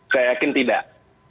saya yakin tidak